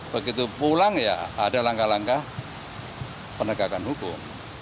begitu pulang ya ada langkah langkah penegakan hukum